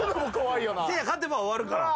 せいや勝てば終わるから。